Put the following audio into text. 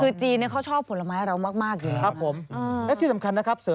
คือจีนเขาชอบผลไม้เรามากอยู่แล้วนะครับ